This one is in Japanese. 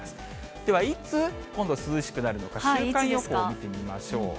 ではいつ、今度涼しくなるのか、週間予報を見てみましょう。